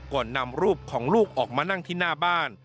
ก่อนนำรูปของลูกออกมานั่งที่หน้าบ้าน